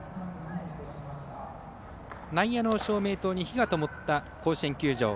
内野の照明塔に灯がともった甲子園球場。